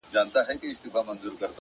هر منزل د هڅو ثبوت غواړي.!